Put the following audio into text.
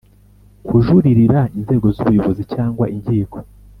kujuririra inzego z ubuyobozi cyangwa inkiko